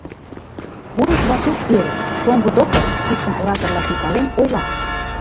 Пурыш да чылт ӧрӧ: шоҥго доктор, кидшым ораторла шуйкален, ойла: